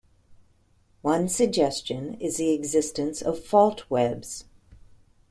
One suggestion is the existence of fault webs.